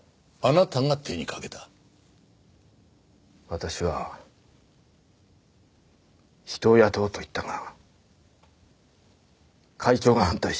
私は人を雇おうと言ったが会長が反対した。